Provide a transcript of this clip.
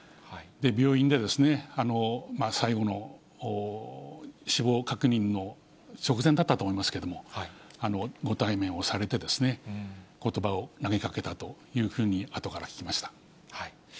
病院で、最後の、死亡確認の直前だったと思いますけれども、ご対面をされて、ことばを投げかけたというふうに、あとから聞きました。